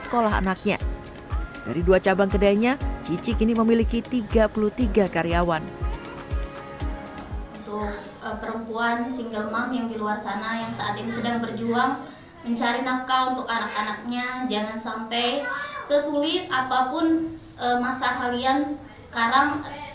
mencari naka untuk anak anaknya jangan sampai sesulit apapun masa kalian sekarang